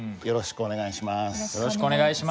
よろしくお願いします。